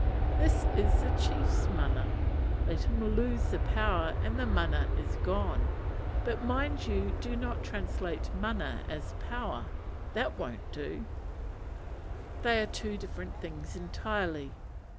This is the chiefs mana. Let him lose the power, and the mana is gone. But mind you do not translate mana as power; that won't do: they are two different things entirely.